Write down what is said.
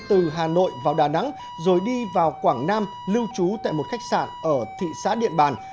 từ hà nội vào đà nẵng rồi đi vào quảng nam lưu trú tại một khách sạn ở thị xã điện bàn